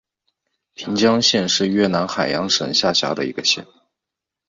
平江县是越南海阳省下辖的一个县。